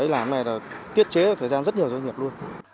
làm này tiết chế thời gian rất nhiều doanh nghiệp luôn